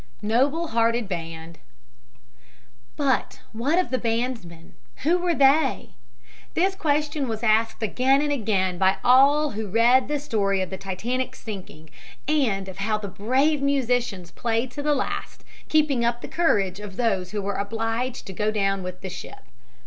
NOBLE HEARTED BAND "But what of the bandsmen? Who were they?" This question was asked again and again by all who read the story of the Titanic's sinking and of how the brave musicians played to the last, keeping up the courage of those who were obliged to go down with the ship.